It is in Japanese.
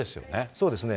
そうですね。